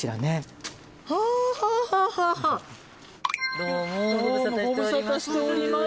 どうもご無沙汰しております。